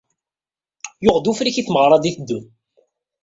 Yuɣ-d ufrik i tmeɣra d-itteddun.